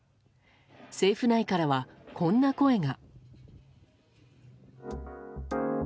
政府内からは、こんな声が。